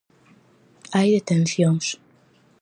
Hai detencións.